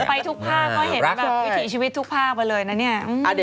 ไปทุกภาคก็เห็นแบบวิถีชีวิตทุกภาคไปเลยนะเนี่ย